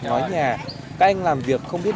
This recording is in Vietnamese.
ngói nhà các anh làm việc không biết